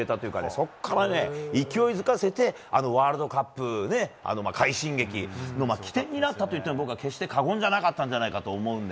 そこから勢いづかせてワールドカップ快進撃の起点になったといっても僕は決して過言じゃなかったと思う。